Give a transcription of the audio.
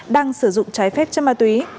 đang sử dụng trái phép chân ma túy